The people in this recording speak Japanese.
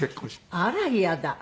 あら嫌だ。